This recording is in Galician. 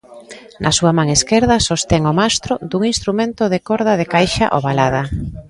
Na súa man esquerda sostén o mastro dun instrumento de corda de caixa ovalada.